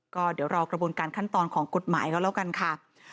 ก็เดี๋ยวรอกระบวนการขั้นตอนของกฎหมายก็แล้วกันค่ะ